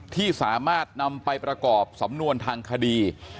ที่สามารถนำไปประกอบสำนวนทางคดี